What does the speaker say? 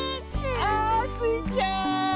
あスイちゃん！